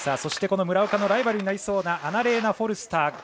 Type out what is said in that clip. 村岡のライバルになりそうなアナレーナ・フォルスター。